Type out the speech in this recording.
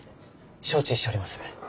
承知しております。